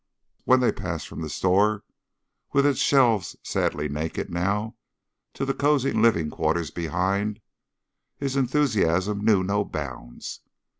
When they passed from the store, with its shelves sadly naked now, to the cozy living quarters behind, his enthusiasm knew no bounds.